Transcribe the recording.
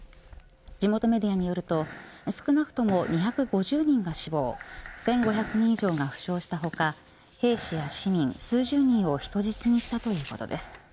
地元メディアによると少なくとも２５０人が死亡１５００人以上が負傷した他兵士や市民、数十人を人質にしたということです。